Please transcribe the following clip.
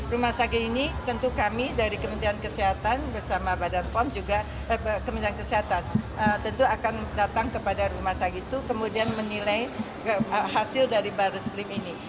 rumah sakit ini tentu kami dari kementerian kesehatan bersama badan pom juga kementerian kesehatan tentu akan datang kepada rumah sakit itu kemudian menilai hasil dari baris krim ini